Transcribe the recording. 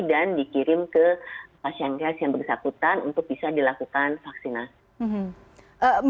dan dikirim ke fashion case yang bersakutan untuk bisa dilakukan vaksinasi